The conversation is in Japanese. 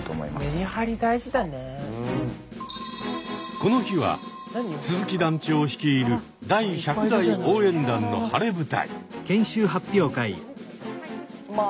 この日は鈴木団長率いる第１００代応援団の晴れ舞台。